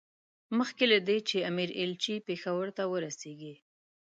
مخکې له دې چې د امیر ایلچي پېښور ته ورسېږي.